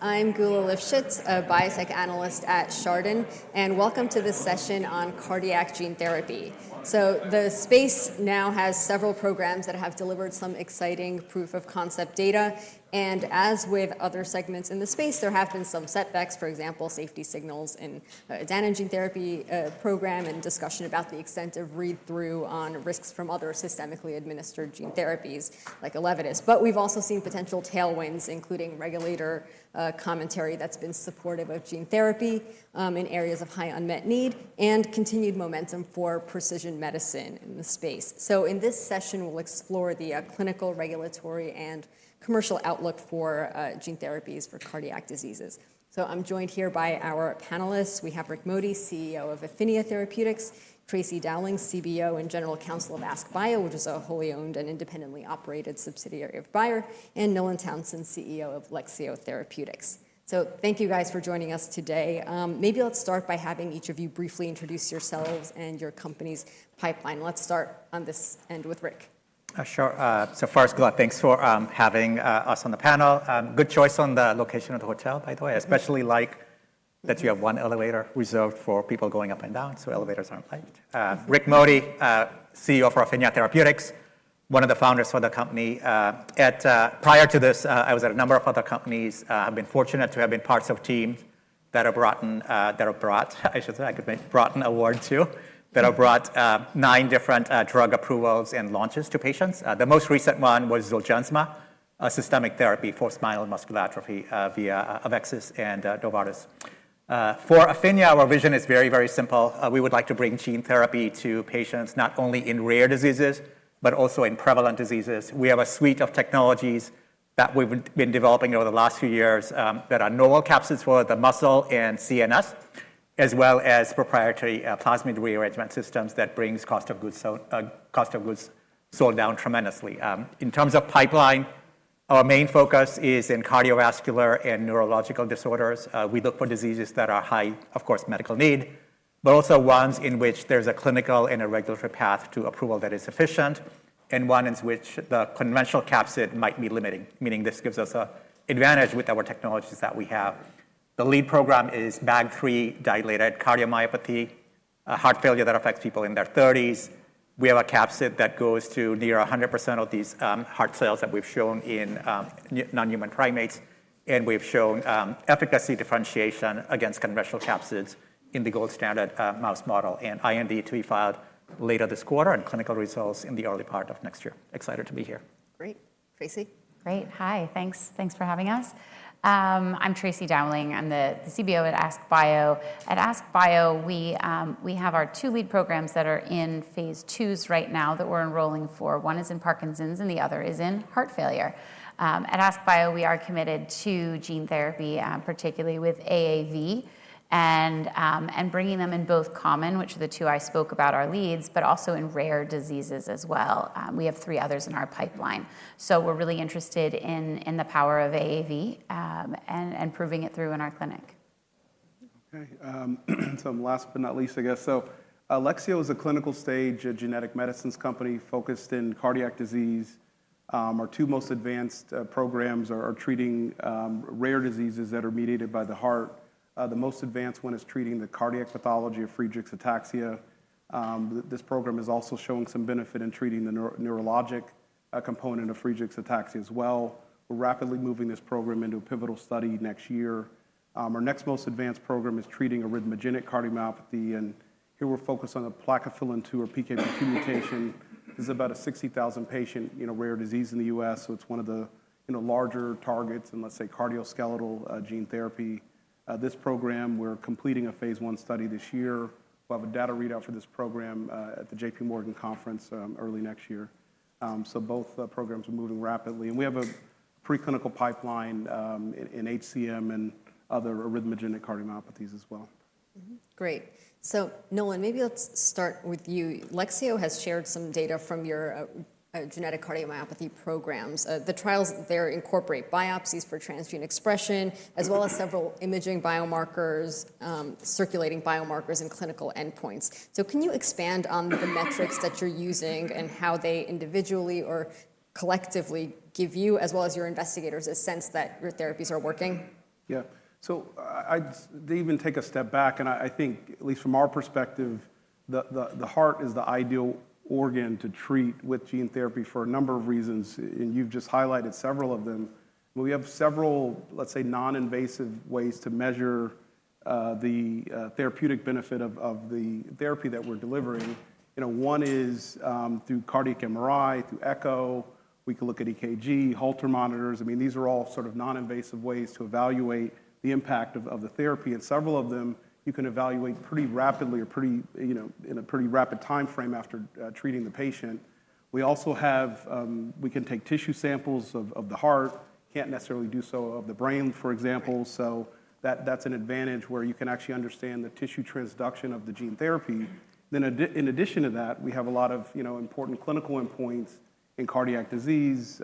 I'm Gula Lifschitz, a biotech analyst at Chardan, and welcome to this session on cardiac gene therapy. The space now has several programs that have delivered some exciting proof-of-concept data. As with other segments in the space, there have been some setbacks. For example, safety signals in the adenosine therapy program and discussion about the extent of read-through on risks from other systemically administered gene therapies, like elevitus. We've also seen potential tailwinds, including regulator commentary that's been supportive of gene therapy in areas of high unmet need and continued momentum for precision medicine in the space. In this session, we'll explore the clinical, regulatory, and commercial outlook for gene therapies for cardiac diseases. I'm joined here by our panelists. We have Rick Modi, CEO of Tenaya Therapeutics; Tracy Dowling, CBO and General Counsel of AskBio, which is a wholly owned and independently operated subsidiary of Bayer; and Nolan Townsend, CEO of Lexeo Therapeutics. Thank you for joining us today. Maybe let's start by having each of you briefly introduce yourselves and your company's pipeline. Let's start on this end with Rick. Sure. First, Gula, thanks for having us on the panel. Good choice on the location of the hotel, by the way. I especially like that you have one elevator reserved for people going up and down, so elevators aren't liked. Rick Modi, CEO of Afinia Therapeutics, one of the founders of the company. Prior to this, I was at a number of other companies. I've been fortunate to have been part of teams that have brought, I should say, I could make a brought an award to, that have brought nine different drug approvals and launches to patients. The most recent one was Zolgensma, a systemic therapy for spinal muscular atrophy via Avexis and Novartis. For Afinia, our vision is very, very simple. We would like to bring gene therapy to patients not only in rare diseases, but also in prevalent diseases. We have a suite of technologies that we've been developing over the last few years that are novel capsids for the muscle and CNS, as well as proprietary plasmid rearrangement systems that bring cost of goods sold down tremendously. In terms of pipeline, our main focus is in cardiovascular and neurological disorders. We look for diseases that are high, of course, medical need, but also ones in which there's a clinical and a regulatory path to approval that is sufficient, and one in which the conventional capsid might be limiting. This gives us an advantage with our technologies that we have. The lead program is BAG3 dilated cardiomyopathy, heart failure that affects people in their 30s. We have a capsid that goes to near 100% of these heart cells that we've shown in non-human primates. We've shown efficacy differentiation against conventional capsids in the gold standard mouse model. IND to be filed later this quarter and clinical results in the early part of next year. Excited to be here. Great. Tracy. Great. Hi. Thanks. Thanks for having us. I'm Tracy Dowling. I'm the CBO at AskBio. At AskBio, we have our two lead programs that are in phase twos right now that we're enrolling for. One is in Parkinson's and the other is in heart failure. At AskBio, we are committed to gene therapy, particularly with AAV and bringing them in both common, which are the two I spoke about, our leads, but also in rare diseases as well. We have three others in our pipeline. We're really interested in the power of AAV and improving it through in our clinic. I'm last but not least, I guess. Lexeo Therapeutics is a clinical stage genetic medicines company focused in cardiac disease. Our two most advanced programs are treating rare diseases that are mediated by the heart. The most advanced one is treating the cardiac pathology of Friedreich’s ataxia. This program is also showing some benefit in treating the neurologic component of Friedreich’s ataxia as well. We're rapidly moving this program into a pivotal study next year. Our next most advanced program is treating arrhythmogenic cardiomyopathy. Here we're focused on the plakophilin 2, or PKP2, mutation. This is about a 60,000 patient rare disease in the U.S. It is one of the larger targets in, let's say, cardiovascular gene therapy. This program, we're completing a phase one study this year. We'll have a data readout for this program at the JPMorgan conference early next year. Both programs are moving rapidly. We have a preclinical pipeline in HCM and other arrhythmogenic cardiomyopathies as well. Great. Nolan, maybe let's start with you. Lexeo has shared some data from your genetic cardiomyopathy programs. The trials there incorporate biopsies for transgene expression, as well as several imaging biomarkers, circulating biomarkers, and clinical endpoints. Can you expand on the metrics that you're using and how they individually or collectively give you, as well as your investigators, a sense that your therapies are working? Yeah. I'd even take a step back. I think, at least from our perspective, the heart is the ideal organ to treat with gene therapy for a number of reasons. You've just highlighted several of them. We have several, let's say, non-invasive ways to measure the therapeutic benefit of the therapy that we're delivering. One is through cardiac MRI, through echo. We can look at EKG, Holter monitors. These are all sort of non-invasive ways to evaluate the impact of the therapy. Several of them, you can evaluate pretty rapidly or in a pretty rapid time frame after treating the patient. We also have, we can take tissue samples of the heart. Can't necessarily do so of the brain, for example. That's an advantage where you can actually understand the tissue transduction of the gene therapy. In addition to that, we have a lot of important clinical endpoints in cardiac disease.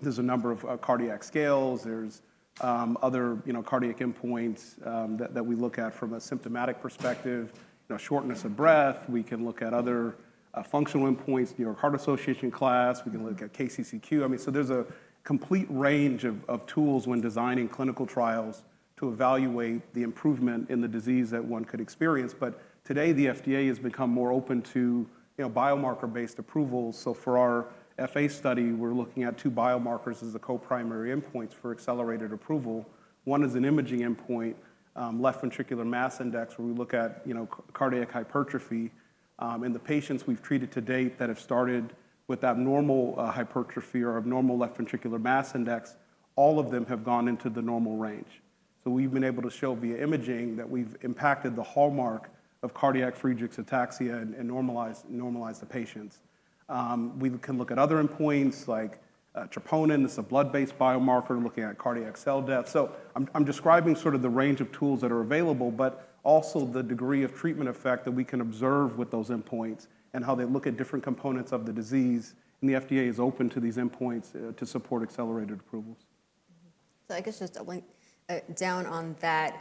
There's a number of cardiac scales. There's other cardiac endpoints that we look at from a symptomatic perspective. Shortness of breath, we can look at other functional endpoints, New York Heart Association Class. We can look at KCCQ. There's a complete range of tools when designing clinical trials to evaluate the improvement in the disease that one could experience. Today, the FDA has become more open to biomarker-based approvals. For our FA study, we're looking at two biomarkers as the co-primary endpoints for accelerated approval. One is an imaging endpoint, left ventricular mass index, where we look at cardiac hypertrophy. The patients we've treated to date that have started with abnormal hypertrophy or abnormal left ventricular mass index, all of them have gone into the normal range. We've been able to show via imaging that we've impacted the hallmark of cardiac Friedreich’s ataxia and normalized the patients. We can look at other endpoints like troponin. It's a blood-based biomarker looking at cardiac cell death. I'm describing the range of tools that are available, but also the degree of treatment effect that we can observe with those endpoints and how they look at different components of the disease. The FDA is open to these endpoints to support accelerated approvals. Just to link down on that,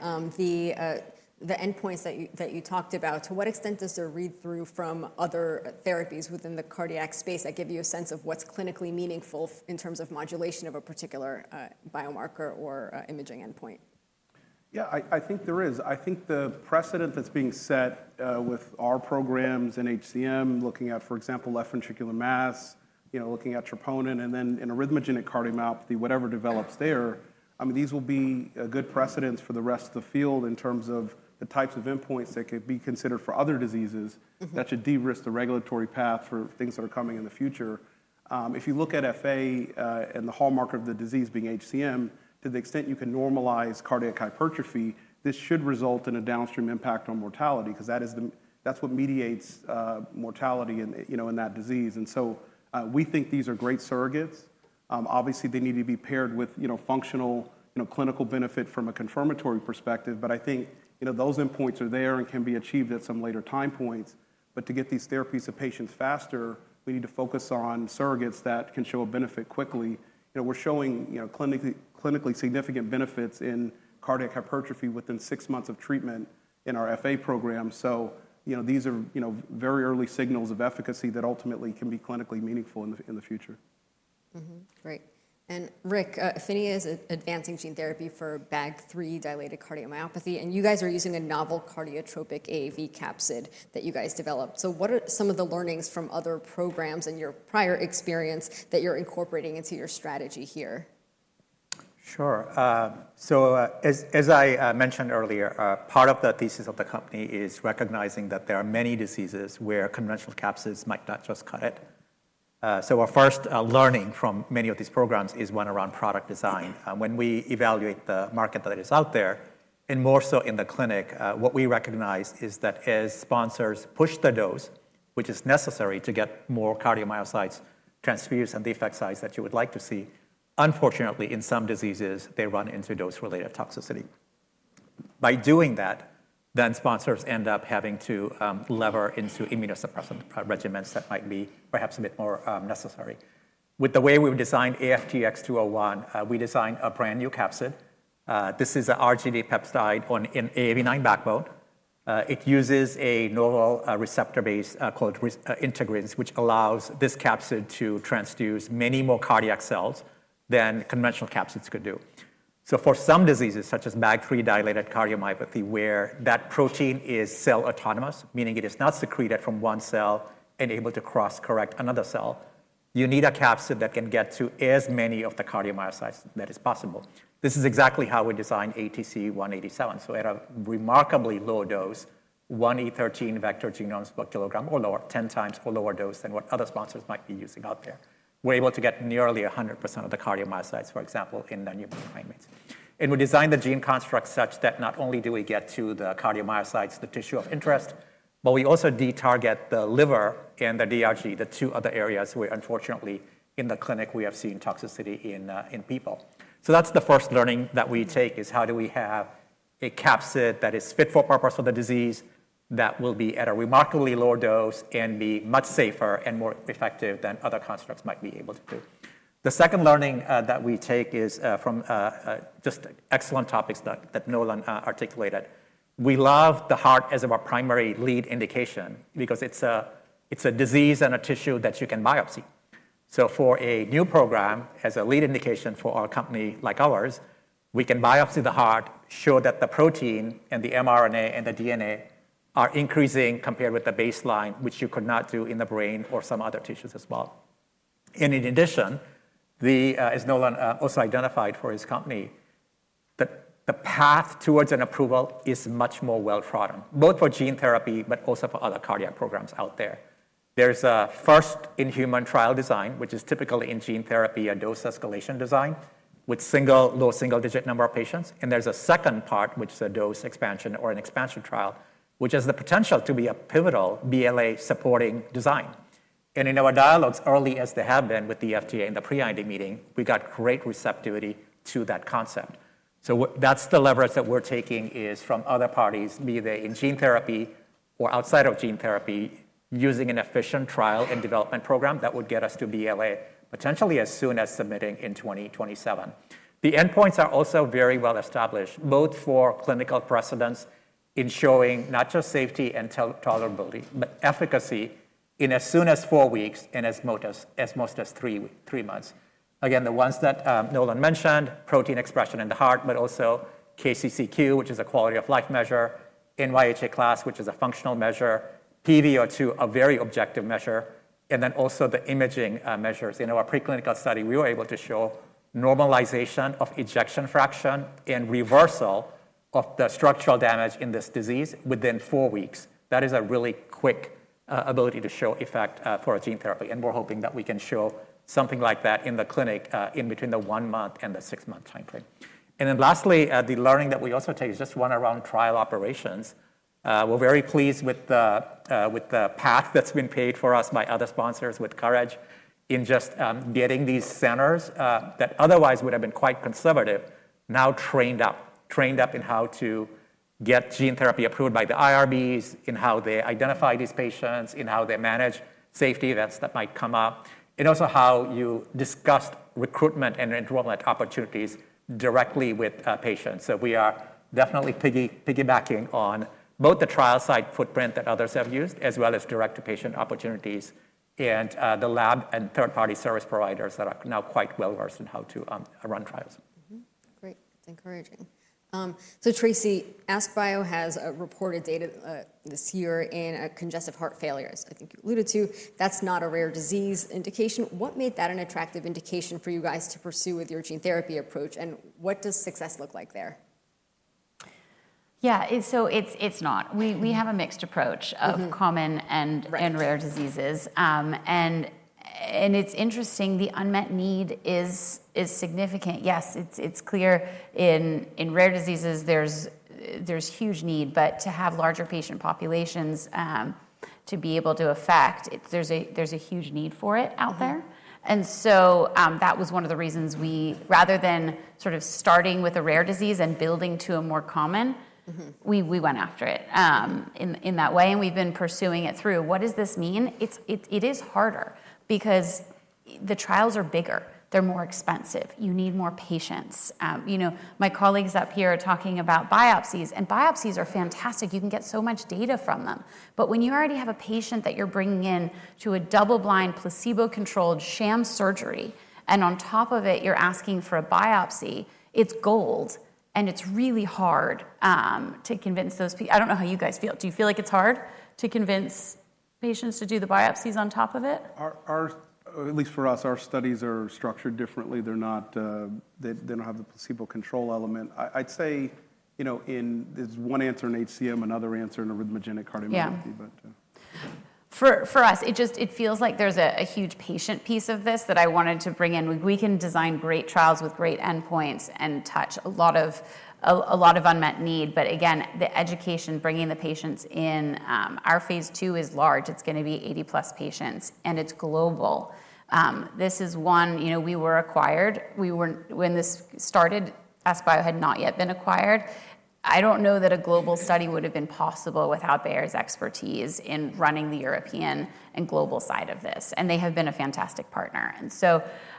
the endpoints that you talked about, to what extent does there read-through from other therapies within the cardiac space that give you a sense of what's clinically meaningful in terms of modulation of a particular biomarker or imaging endpoint? Yeah, I think there is. I think the precedent that's being set with our programs in HCM, looking at, for example, left ventricular mass, looking at troponin, and then in arrhythmogenic cardiomyopathy, whatever develops there, these will be a good precedent for the rest of the field in terms of the types of endpoints that could be considered for other diseases that should de-risk the regulatory path for things that are coming in the future. If you look at FA and the hallmark of the disease being HCM, to the extent you can normalize cardiac hypertrophy, this should result in a downstream impact on mortality because that's what mediates mortality in that disease. We think these are great surrogates. Obviously, they need to be paired with functional clinical benefit from a confirmatory perspective. I think those endpoints are there and can be achieved at some later time points. To get these therapies to patients faster, we need to focus on surrogates that can show a benefit quickly. We're showing clinically significant benefits in cardiac hypertrophy within six months of treatment in our FA program. These are very early signals of efficacy that ultimately can be clinically meaningful in the future. Great. Rick, Afinia Therapeutics is advancing gene therapy for BAG3 dilated cardiomyopathy. You guys are using a novel cardiotropic AAV capsid that you developed. What are some of the learnings from other programs and your prior experience that you're incorporating into your strategy here? Sure. As I mentioned earlier, part of the thesis of the company is recognizing that there are many diseases where conventional capsids might not just cut it. Our first learning from many of these programs is one around product design. When we evaluate the market that is out there, and more so in the clinic, what we recognize is that as sponsors push the dose, which is necessary to get more cardiomyocytes transfused and the effect size that you would like to see, unfortunately, in some diseases, they run into dose-related toxicity. By doing that, sponsors end up having to lever into immunosuppressant regimens that might be perhaps a bit more necessary. With the way we've designed TN-201, we designed a brand new capsid. This is an RGD peptide on an AAV9 backbone. It uses a novel receptor base called integrase, which allows this capsid to transduce many more cardiac cells than conventional capsids could do. For some diseases, such as BAG3 dilated cardiomyopathy, where that protein is cell autonomous, meaning it is not secreted from one cell and able to cross-correct another cell, you need a capsid that can get to as many of the cardiomyocytes as possible. This is exactly how we designed TN-201. At a remarkably low dose, 1.0 x 10^13 vector genomes per kilogram or lower, 10 times or lower dose than what other sponsors might be using out there, we're able to get nearly 100% of the cardiomyocytes, for example, in non-human primates. We designed the gene construct such that not only do we get to the cardiomyocytes, the tissue of interest, but we also de-target the liver and the DRG, the two other areas where, unfortunately, in the clinic, we have seen toxicity in people. The first learning that we take is how do we have a capsid that is fit for purpose for the disease, that will be at a remarkably lower dose and be much safer and more effective than other constructs might be able to do. The second learning that we take is from just excellent topics that Nolan articulated. We love the heart as our primary lead indication because it's a disease and a tissue that you can biopsy. For a new program, as a lead indication for a company like ours, we can biopsy the heart, show that the protein and the mRNA and the DNA are increasing compared with the baseline, which you could not do in the brain or some other tissues as well. In addition, as Nolan also identified for his company, the path towards an approval is much more well-trodden, both for gene therapy and for other cardiac programs out there. There is a first in human trial design, which is typically in gene therapy a dose escalation design with a low single-digit number of patients. There is a second part, which is a dose expansion or an expansion trial, which has the potential to be a pivotal BLA-supporting design. In our dialogues, early as they have been with the FDA in the pre-IND meeting, we got great receptivity to that concept. That is the leverage that we're taking from other parties, be they in gene therapy or outside of gene therapy, using an efficient trial and development program that would get us to BLA potentially as soon as submitting in 2027. The endpoints are also very well established, both for clinical precedence, ensuring not just safety and tolerability, but efficacy in as soon as four weeks and as most as three months. The ones that Nolan mentioned, protein expression in the heart, but also KCCQ, which is a quality of life measure, NYHA class, which is a functional measure, PVO2, a very objective measure, and then also the imaging measures. In our preclinical study, we were able to show normalization of ejection fraction and reversal of the structural damage in this disease within four weeks. That is a really quick ability to show effect for a gene therapy. We're hoping that we can show something like that in the clinic in between the one-month and the six-month time frame. Lastly, the learning that we also take is just one around trial operations. We're very pleased with the path that's been paved for us by other sponsors with courage in just getting these centers that otherwise would have been quite conservative now trained up, trained up in how to get gene therapy approved by the IRBs, in how they identify these patients, in how they manage safety events that might come up, and also how you discussed recruitment and enrollment opportunities directly with patients. We are definitely piggybacking on both the trial site footprint that others have used, as well as direct-to-patient opportunities and the lab and third-party service providers that are now quite well-versed in how to run trials. Great. It's encouraging. Tracy, AskBio has reported data this year in congestive heart failure, as I think you alluded to. That's not a rare disease indication. What made that an attractive indication for you guys to pursue with your gene therapy approach? What does success look like there? Yeah. It's not. We have a mixed approach of common and rare diseases. It's interesting. The unmet need is significant. Yes, it's clear in rare diseases, there's huge need. To have larger patient populations to be able to affect, there's a huge need for it out there. That was one of the reasons we, rather than starting with a rare disease and building to a more common, went after it in that way. We've been pursuing it through. What does this mean? It is harder because the trials are bigger. They're more expensive. You need more patients. My colleagues up here are talking about biopsies. Biopsies are fantastic. You can get so much data from them. When you already have a patient that you're bringing in to a double-blind, placebo-controlled sham surgery, and on top of it, you're asking for a biopsy, it's gold. It's really hard to convince those people. I don't know how you guys feel. Do you feel like it's hard to convince patients to do the biopsies on top of it? At least for us, our studies are structured differently. They don't have the placebo control element. I'd say there's one answer in HCM, another answer in arrhythmogenic cardiomyopathy. Yeah. For us, it just feels like there's a huge patient piece of this that I wanted to bring in. We can design great trials with great endpoints and touch a lot of unmet need. Again, the education, bringing the patients in, our phase two is large. It's going to be 80-plus patients, and it's global. This is one, we were acquired. When this started, AskBio had not yet been acquired. I don't know that a global study would have been possible without Bayer's expertise in running the European and global side of this. They have been a fantastic partner.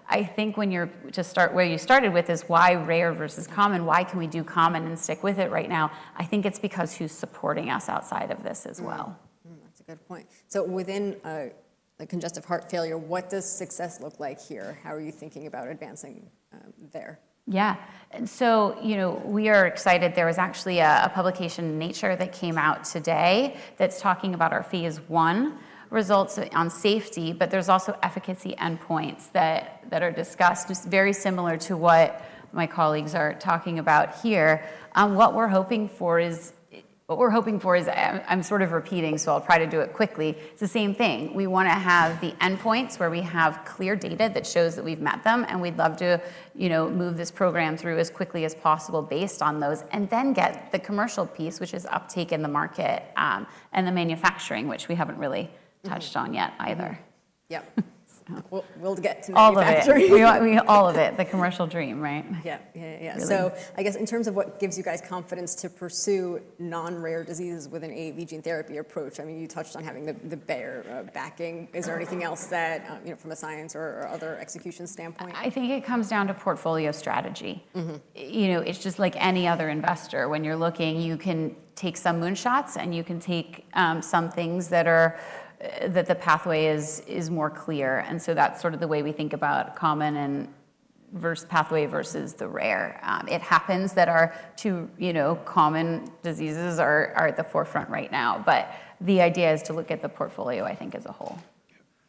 I think when you start where you started with is why rare versus common? Why can we do common and stick with it right now? I think it's because who's supporting us outside of this as well. That's a good point. Within congestive heart failure, what does success look like here? How are you thinking about advancing there? Yeah. We are excited. There was actually a publication in Nature that came out today that's talking about our phase one results on safety. There's also efficacy endpoints that are discussed, just very similar to what my colleagues are talking about here. What we're hoping for is, I'm sort of repeating, so I'll try to do it quickly. It's the same thing. We want to have the endpoints where we have clear data that shows that we've met them. We'd love to move this program through as quickly as possible based on those, and then get the commercial piece, which is uptake in the market, and the manufacturing, which we haven't really touched on yet either. Yeah, we'll get to all of it. All of it, the commercial dream, right? Yeah. In terms of what gives you guys confidence to pursue non-rare diseases with an AAV gene therapy approach, you touched on having the Bayer backing. Is there anything else from a science or other execution standpoint? I think it comes down to portfolio strategy. It's just like any other investor. When you're looking, you can take some moonshots, and you can take some things that the pathway is more clear. That's sort of the way we think about common and pathway versus the rare. It happens that our two common diseases are at the forefront right now. The idea is to look at the portfolio, I think, as a whole.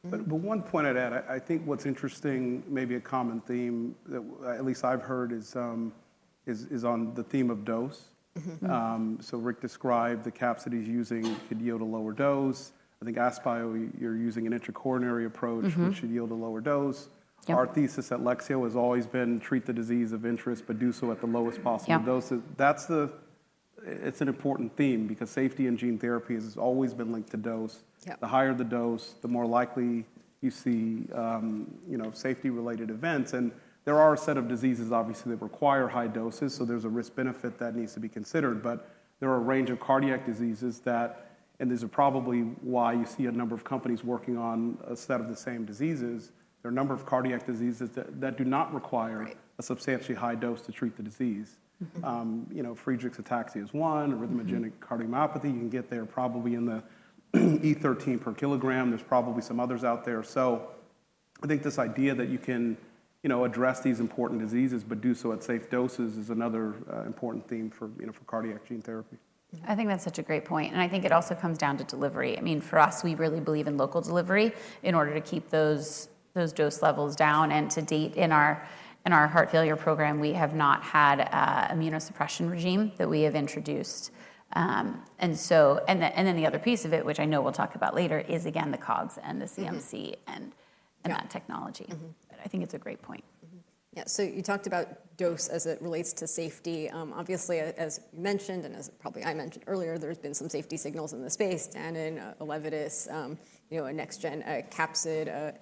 One point I'd add, I think what's interesting, maybe a common theme that at least I've heard is on the theme of dose. Rick described the capsid he's using could yield a lower dose. I think AskBio, you're using an intracoronary approach, which should yield a lower dose. Our thesis at Lexeo has always been treat the disease of interest, but do so at the lowest possible doses. That's an important theme because safety in gene therapy has always been linked to dose. The higher the dose, the more likely you see safety-related events. There are a set of diseases, obviously, that require high doses. There's a risk-benefit that needs to be considered. There are a range of cardiac diseases that, and these are probably why you see a number of companies working on a set of the same diseases. There are a number of cardiac diseases that do not require a substantially high dose to treat the disease. Friedreich’s ataxia is one. Arrhythmogenic cardiomyopathy, you can get there probably in the E13 per kilogram. There's probably some others out there. I think this idea that you can address these important diseases, but do so at safe doses is another important theme for cardiac gene therapy. I think that's such a great point. I think it also comes down to delivery. I mean, for us, we really believe in local delivery in order to keep those dose levels down. To date, in our heart failure program, we have not had an immunosuppression regime that we have introduced. The other piece of it, which I know we'll talk about later, is again the COGS and the CMC and that technology. I think it's a great point. Yeah. You talked about dose as it relates to safety. Obviously, as you mentioned, and as probably I mentioned earlier, there's been some safety signals in the space, Dan in elevitus, a NextGen capsid,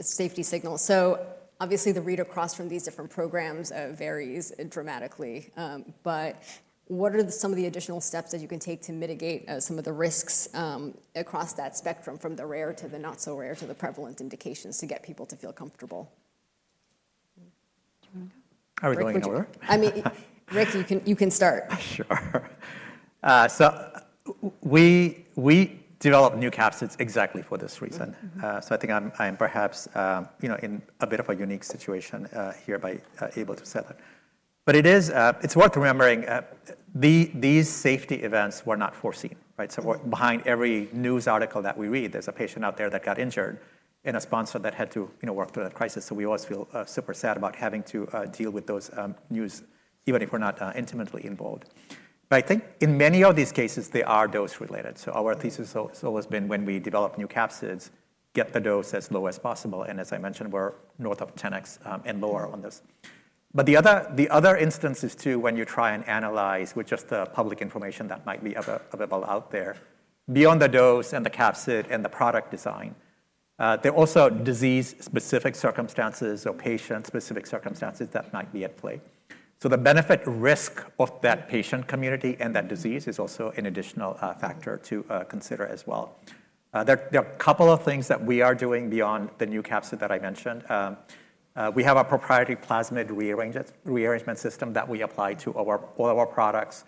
safety signals. The read across from these different programs varies dramatically. What are some of the additional steps that you can take to mitigate some of the risks across that spectrum from the rare to the not so rare to the prevalent indications to get people to feel comfortable? I would like to. I mean, Rick, you can start. Sure. We developed new capsids exactly for this reason. I think I'm perhaps in a bit of a unique situation here by able to say that. It's worth remembering these safety events were not foreseen. Behind every news article that we read, there's a patient out there that got injured and a sponsor that had to work through that crisis. We always feel super sad about having to deal with those news, even if we're not intimately involved. I think in many of these cases, they are dose-related. Our thesis has always been, when we develop new capsids, get the dose as low as possible. As I mentioned, we're north of 10x and lower on this. In other instances too, when you try and analyze with just the public information that might be available out there, beyond the dose and the capsid and the product design, there are also disease-specific circumstances or patient-specific circumstances that might be at play. The benefit risk of that patient community and that disease is also an additional factor to consider as well. There are a couple of things that we are doing beyond the new capsid that I mentioned. We have a proprietary plasmid rearrangement system that we apply to all of our products.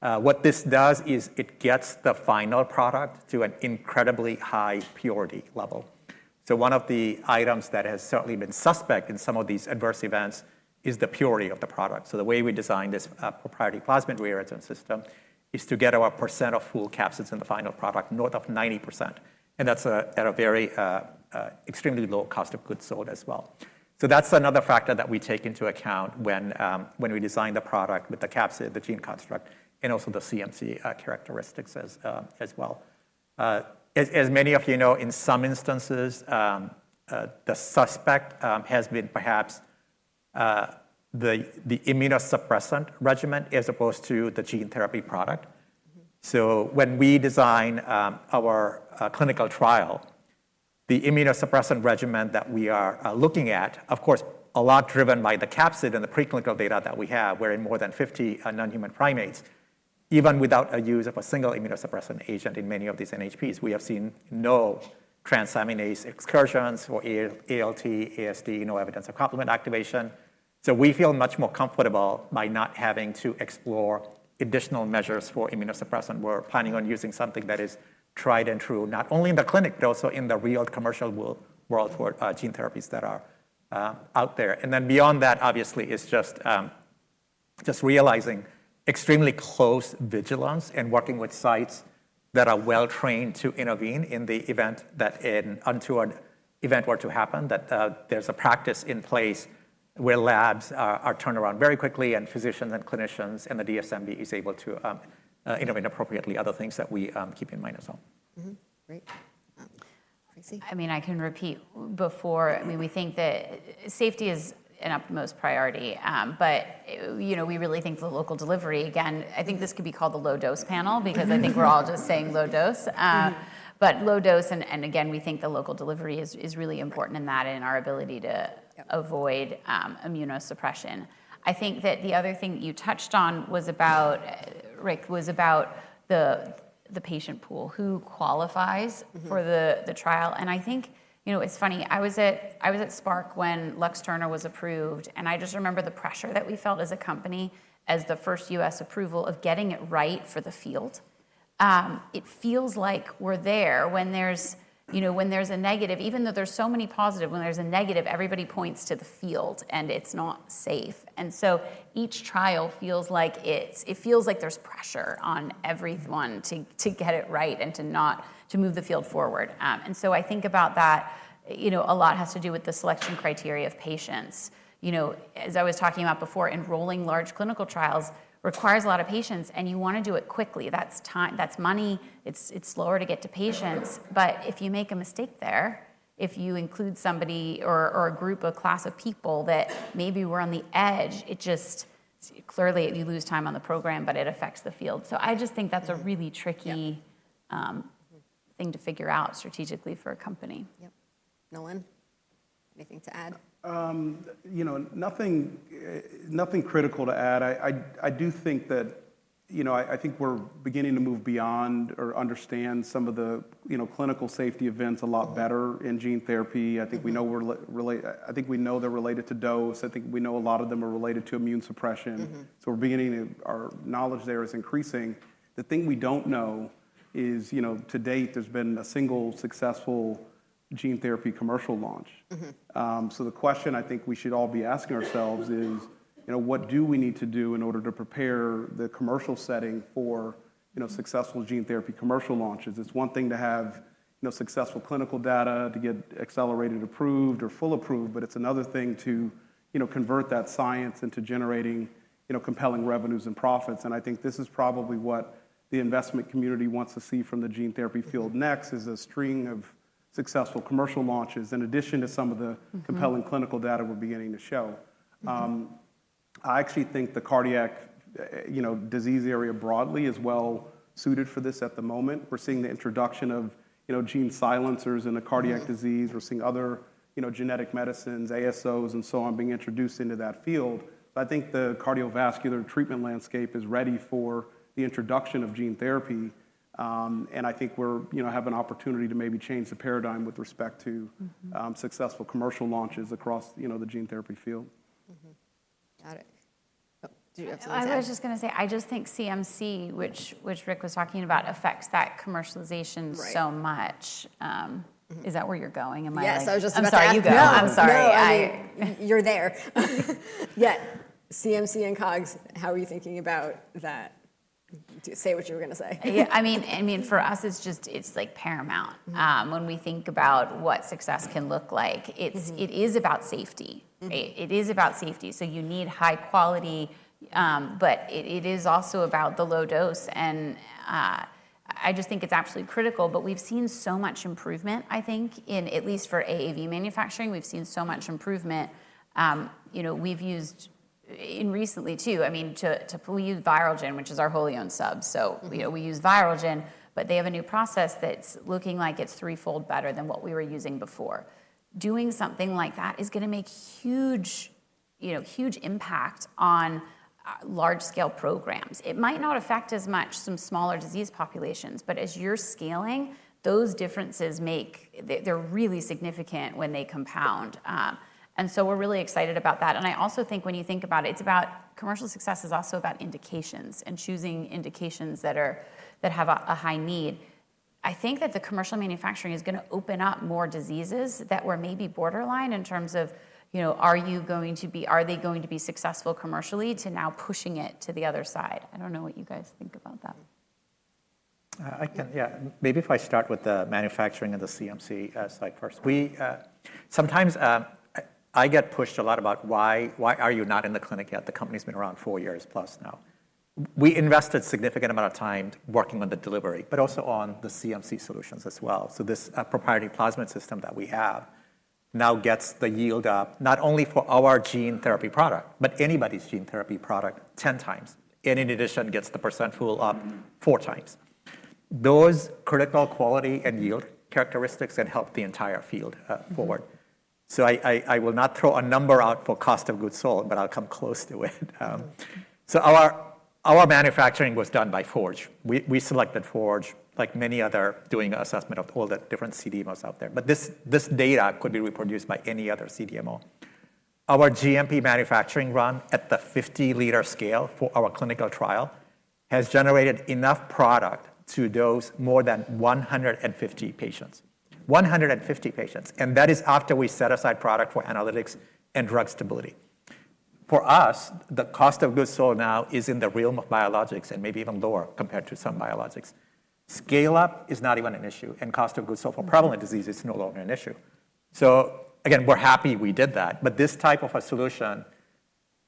What this does is it gets the final product to an incredibly high purity level. One of the items that has certainly been suspect in some of these adverse events is the purity of the product. The way we designed this proprietary plasmid rearrangement system is to get our % of full capsids in the final product north of 90%. That's at an extremely low cost of goods sold as well. That's another factor that we take into account when we design the product with the capsid, the gene construct, and also the CMC characteristics as well. As many of you know, in some instances, the suspect has been perhaps the immunosuppressant regimen as opposed to the gene therapy product. When we design our clinical trial, the immunosuppressant regimen that we are looking at, of course, a lot driven by the capsid and the preclinical data that we have, we're in more than 50 non-human primates. Even without the use of a single immunosuppressant agent in many of these NHPs, we have seen no transaminase excursions for ALT, AST, no evidence of complement activation. We feel much more comfortable by not having to explore additional measures for immunosuppressant. We're planning on using something that is tried and true, not only in the clinic, but also in the real commercial world for gene therapies that are out there. Beyond that, obviously, is just realizing extremely close vigilance and working with sites that are well-trained to intervene in the event that an untoward event were to happen, that there's a practice in place where labs are turned around very quickly and physicians and clinicians and the DSMB is able to intervene appropriately, other things that we keep in mind as well. Great. Tracy. I mean, we think that safety is an utmost priority. We really think the local delivery, again, I think this could be called the low-dose panel because I think we're all just saying low dose. Low dose, and again, we think the local delivery is really important in that and our ability to avoid immunosuppression. The other thing that you touched on was about, Rick, was about the patient pool, who qualifies for the trial. I think it's funny. I was at Spark when Luxturna was approved. I just remember the pressure that we felt as a company as the first U.S. approval of getting it right for the field. It feels like we're there when there's a negative, even though there's so many positives. When there's a negative, everybody points to the field and it's not safe. Each trial feels like there's pressure on everyone to get it right and to move the field forward. I think about that. A lot has to do with the selection criteria of patients. As I was talking about before, enrolling large clinical trials requires a lot of patience. You want to do it quickly. That's money. It's slower to get to patients. If you make a mistake there, if you include somebody or a group or class of people that maybe were on the edge, clearly you lose time on the program, but it affects the field. I just think that's a really tricky thing to figure out strategically for a company. Yeah, Nolan, anything to add? Nothing critical to add. I do think that we're beginning to move beyond or understand some of the clinical safety events a lot better in gene therapy. I think we know they're related to dose. I think we know a lot of them are related to immunosuppression. Our knowledge there is increasing. The thing we don't know is, to date, there's been a single successful gene therapy commercial launch. The question I think we should all be asking ourselves is, what do we need to do in order to prepare the commercial setting for successful gene therapy commercial launches? It's one thing to have successful clinical data to get accelerated approved or full approved, but it's another thing to convert that science into generating compelling revenues and profits. I think this is probably what the investment community wants to see from the gene therapy field next, a string of successful commercial launches in addition to some of the compelling clinical data we're beginning to show. I actually think the cardiac disease area broadly is well-suited for this at the moment. We're seeing the introduction of gene silencers in the cardiac disease. We're seeing other genetic medicines, ASOs, and so on being introduced into that field. I think the cardiovascular treatment landscape is ready for the introduction of gene therapy. I think we have an opportunity to maybe change the paradigm with respect to successful commercial launches across the gene therapy field. Got it. I was just going to say, I just think CMC, which Rick Modi was talking about, affects that commercialization so much. Is that where you're going? Am I right? Yes, I was just going to say you go. No, I'm sorry. You're there. Yeah. CMC and COGS, how are you thinking about that? Say what you were going to say. I mean, for us, it's like paramount. When we think about what success can look like, it is about safety. It is about safety. You need high quality, but it is also about the low dose. I just think it's absolutely critical. We've seen so much improvement, I think, at least for AAV manufacturing. We've seen so much improvement. We've used recently too, I mean, to use ViralGen, which is our wholly owned sub. We use ViralGen, and they have a new process that's looking like it's threefold better than what we were using before. Doing something like that is going to make a huge impact on large-scale programs. It might not affect as much some smaller disease populations. As you're scaling, those differences, they're really significant when they compound. We're really excited about that. I also think when you think about it, commercial success is also about indications and choosing indications that have a high need. I think that the commercial manufacturing is going to open up more diseases that were maybe borderline in terms of, are you going to be, are they going to be successful commercially to now pushing it to the other side? I don't know what you guys think about that. Maybe if I start with the manufacturing and the CMC side first. Sometimes I get pushed a lot about why are you not in the clinic yet? The company's been around four years plus now. We invested a significant amount of time working on the delivery, but also on the CMC solutions as well. This proprietary plasmid system that we have now gets the yield up not only for our gene therapy product, but anybody's gene therapy product 10 times. In addition, gets the % pool up four times. Those critical quality and yield characteristics can help the entire field forward. I will not throw a number out for cost of goods sold, but I'll come close to it. Our manufacturing was done by Forge. We selected Forge, like many others, doing an assessment of all the different CDMOs out there. This data could be reproduced by any other CDMO. Our GMP manufacturing run at the 50-liter scale for our clinical trial has generated enough product to dose more than 150 patients. 150 patients. That is after we set aside product for analytics and drug stability. For us, the cost of goods sold now is in the realm of biologics and maybe even lower compared to some biologics. Scale-up is not even an issue. Cost of goods sold for prevalent disease is no longer an issue. We're happy we did that. This type of a solution,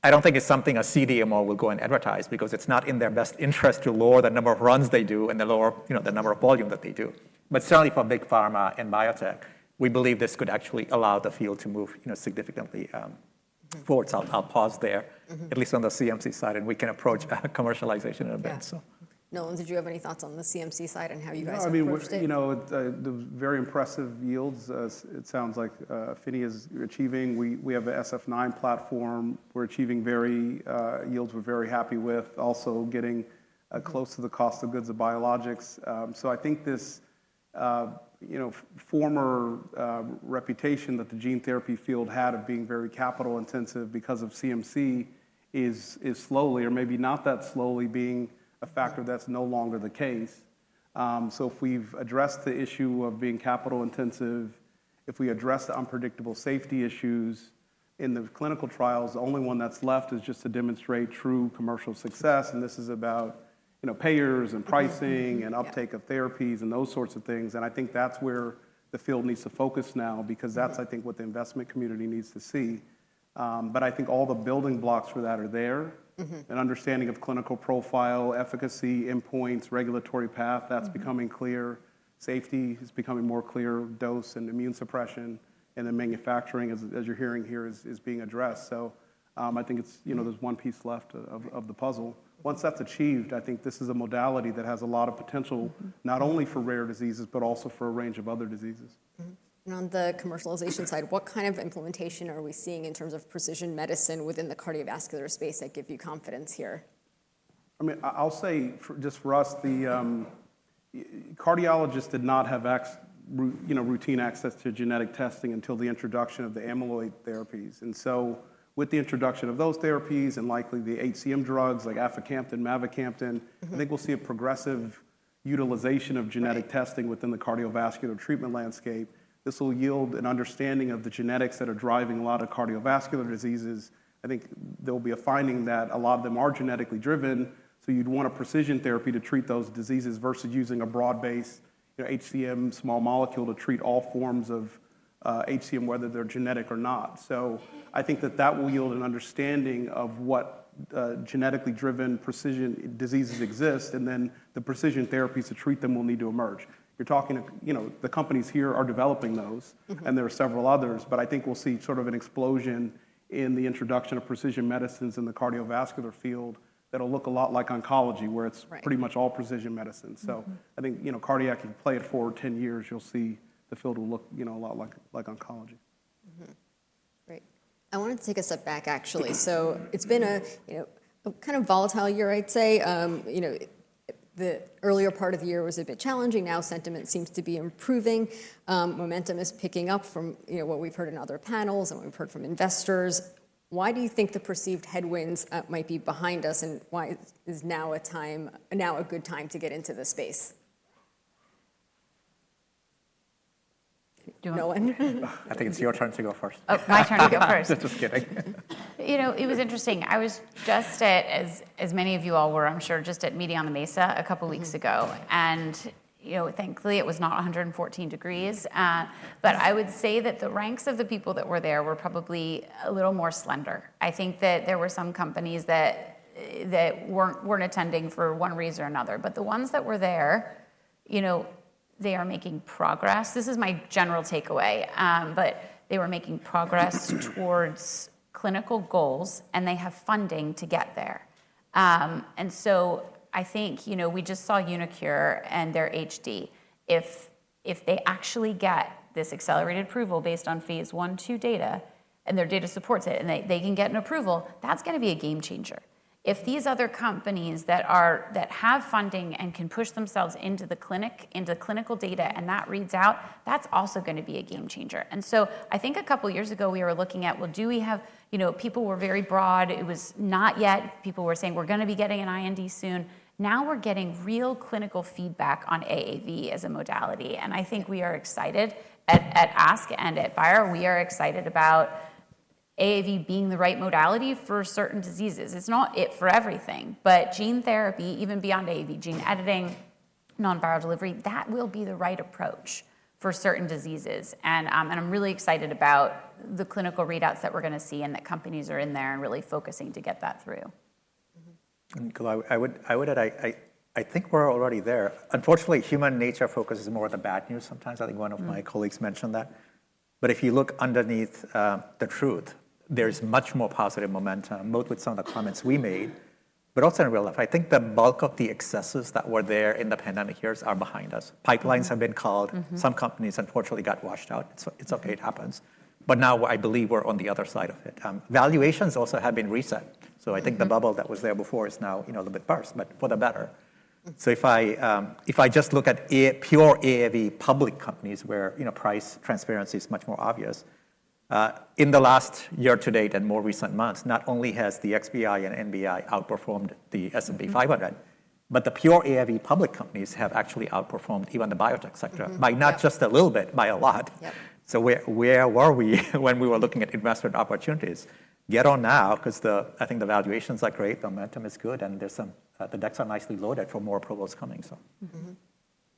I don't think it's something a CDMO will go and advertise because it's not in their best interest to lower the number of runs they do and the lower the number of volume that they do. Certainly, for big pharma and biotech, we believe this could actually allow the field to move significantly forward. I'll pause there, at least on the CMC side. We can approach commercialization in a bit. Nolan, did you have any thoughts on the CMC side and how you guys approached it? The very impressive yields it sounds like Afinia Therapeutics is achieving. We have an SF9 platform. We're achieving yields we're very happy with, also getting close to the cost of goods of biologics. I think this former reputation that the gene therapy field had of being very capital-intensive because of CMC is slowly, or maybe not that slowly, being a factor that's no longer the case. If we've addressed the issue of being capital-intensive, if we address the unpredictable safety issues in the clinical trials, the only one that's left is just to demonstrate true commercial success. This is about payers and pricing and uptake of therapies and those sorts of things. I think that's where the field needs to focus now because that's, I think, what the investment community needs to see. I think all the building blocks for that are there. An understanding of clinical profile, efficacy, endpoints, regulatory path, that's becoming clear. Safety is becoming more clear. Dose and immunosuppression and the manufacturing, as you're hearing here, is being addressed. I think there's one piece left of the puzzle. Once that's achieved, I think this is a modality that has a lot of potential, not only for rare diseases, but also for a range of other diseases. On the commercialization side, what kind of implementation are we seeing in terms of precision medicine within the cardiovascular space that give you confidence here? I'll say just for us, the cardiologists did not have routine access to genetic testing until the introduction of the amyloid therapies. With the introduction of those therapies and likely the HCM drugs like aficampten, mavacamten, I think we'll see a progressive utilization of genetic testing within the cardiovascular treatment landscape. This will yield an understanding of the genetics that are driving a lot of cardiovascular diseases. I think there will be a finding that a lot of them are genetically driven. You'd want a precision therapy to treat those diseases versus using a broad-based HCM small molecule to treat all forms of HCM, whether they're genetic or not. I think that will yield an understanding of what genetically driven precision diseases exist, and then the precision therapies to treat them will need to emerge. The companies here are developing those, and there are several others. I think we'll see sort of an explosion in the introduction of precision medicines in the cardiovascular field that will look a lot like oncology, where it's pretty much all precision medicine. I think cardiac, if you play it for 10 years, you'll see the field will look a lot like oncology. Great. I wanted to take a step back, actually. It's been a kind of volatile year, I'd say. The earlier part of the year was a bit challenging. Now sentiment seems to be improving. Momentum is picking up from what we've heard in other panels and what we've heard from investors. Why do you think the perceived headwinds might be behind us? Why is now a good time to get into this space? Nolan? I think it's your turn to go first. Oh, my turn to go first. Just kidding. It was interesting. I was just at, as many of you all were, I'm sure, just at Meeting on the Mesa a couple of weeks ago. Thankfully, it was not 114 degrees. I would say that the ranks of the people that were there were probably a little more slender. I think that there were some companies that weren't attending for one reason or another. The ones that were there, they are making progress. This is my general takeaway. They were making progress towards clinical goals, and they have funding to get there. I think we just saw UniQure and their HD. If they actually get this accelerated approval based on phase 1/2 data and their data supports it and they can get an approval, that's going to be a game changer. If these other companies that have funding and can push themselves into the clinical data and that reads out, that's also going to be a game changer. I think a couple of years ago, we were looking at, well, do we have people were very broad. It was not yet. People were saying, we're going to be getting an IND soon. Now we're getting real clinical feedback on AAV as a modality. I think we are excited at AskBio and at Bayer. We are excited about AAV being the right modality for certain diseases. It's not it for everything. Gene therapy, even beyond AAV, gene editing, non-viral delivery, that will be the right approach for certain diseases. I'm really excited about the clinical readouts that we're going to see and that companies are in there and really focusing to get that through. Gula, I would add, I think we're already there. Unfortunately, human nature focuses more on the bad news sometimes. I think one of my colleagues mentioned that. If you look underneath the truth, there's much more positive momentum, both with some of the comments we made, but also in real life. I think the bulk of the excesses that were there in the pandemic years are behind us. Pipelines have been culled. Some companies, unfortunately, got washed out. It's OK. It happens. I believe we're on the other side of it. Valuations also have been reset. I think the bubble that was there before is now a little bit burst, but for the better. If I just look at pure AAV public companies, where price transparency is much more obvious, in the last year to date and more recent months, not only has the XBI and NBI outperformed the S&P 500, but the pure AAV public companies have actually outperformed even the biotech sector by not just a little bit, by a lot. Where were we when we were looking at investment opportunities? Get on now because I think the valuations are great. The momentum is good. The decks are nicely loaded for more approvals coming.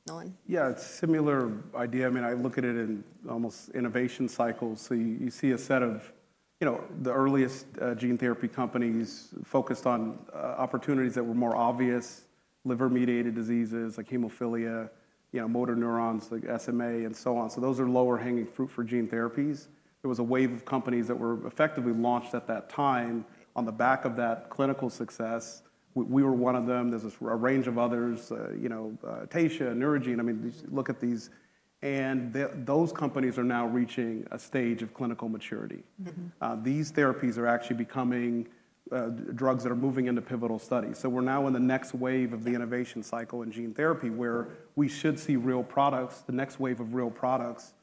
Nolan? Yeah. Similar idea. I mean, I look at it in almost innovation cycles. You see a set of the earliest gene therapy companies focused on opportunities that were more obvious, liver-mediated diseases like hemophilia, motor neurons like SMA, and so on. Those are lower-hanging fruit for gene therapies. There was a wave of companies that were effectively launched at that time on the back of that clinical success. We were one of them. There's a range of others, Tesha, Neurogene. I mean, look at these. Those companies are now reaching a stage of clinical maturity. These therapies are actually becoming drugs that are moving into pivotal studies. We're now in the next wave of the innovation cycle in gene therapy, where we should see real products, the next wave of real products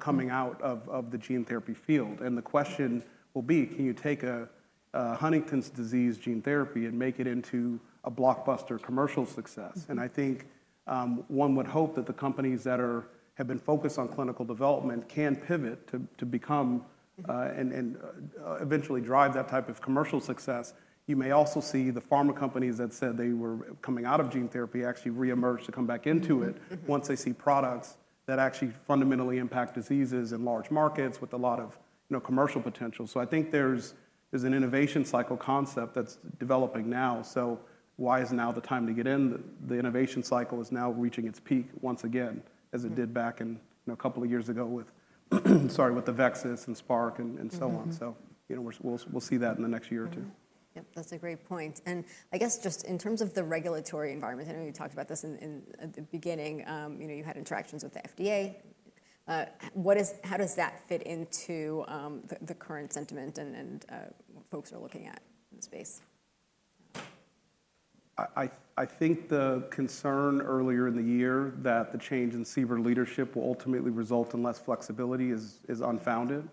coming out of the gene therapy field. The question will be, can you take a Huntington's disease gene therapy and make it into a blockbuster commercial success? I think one would hope that the companies that have been focused on clinical development can pivot to become and eventually drive that type of commercial success. You may also see the pharma companies that said they were coming out of gene therapy actually re-emerge to come back into it once they see products that actually fundamentally impact diseases in large markets with a lot of commercial potential. I think there's an innovation cycle concept that's developing now. Why is now the time to get in? The innovation cycle is now reaching its peak once again, as it did back a couple of years ago with, sorry, with AveXis and Spark and so on. We'll see that in the next year or two. That's a great point. I guess just in terms of the regulatory environment, I know you talked about this in the beginning. You had interactions with the FDA. How does that fit into the current sentiment and what folks are looking at in the space? I think the concern earlier in the year that the change in FDA leadership will ultimately result in less flexibility is unfounded.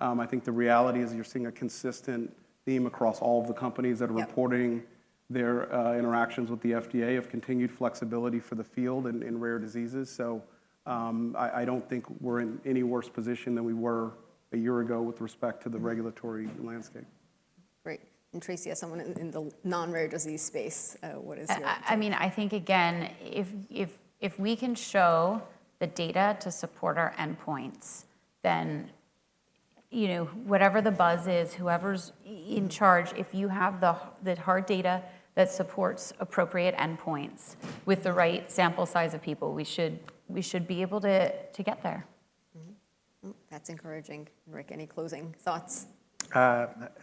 I think the reality is you're seeing a consistent theme across all of the companies that are reporting their interactions with the FDA of continued flexibility for the field in rare diseases. I don't think we're in any worse position than we were a year ago with respect to the regulatory landscape. Great. Tracy, as someone in the non-rare disease space, what is your take? I think, again, if we can show the data to support our endpoints, then whatever the buzz is, whoever's in charge, if you have the hard data that supports appropriate endpoints with the right sample size of people, we should be able to get there. That's encouraging. Rick, any closing thoughts?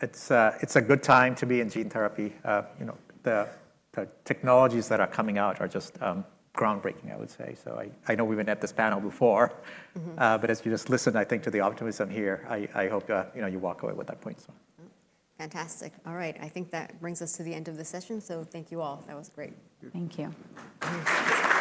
It's a good time to be in gene therapy. The technologies that are coming out are just groundbreaking, I would say. I know we've been at this panel before. As you just listened, I think, to the optimism here, I hope you walk away with that point. Fantastic. All right. I think that brings us to the end of the session. Thank you all. That was great. Thank you.